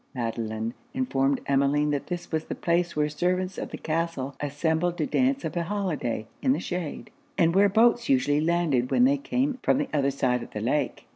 Madelon informed Emmeline that this was the place where the servants of the castle assembled to dance of an holyday, in the shade; and where boats usually landed that came from the other side of the lake.